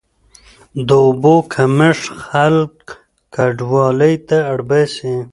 د اوبو کمښت خلک کډوالۍ ته اړ باسي.